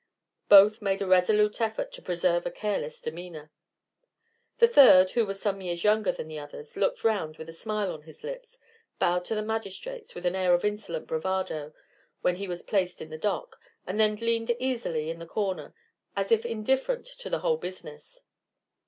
Both made a resolute effort to preserve a careless demeanor. The third, who was some years younger than the others, looked round with a smile on his lips, bowed to the magistrates with an air of insolent bravado when he was placed in the dock, and then leaned easily in the corner, as if indifferent to the whole business.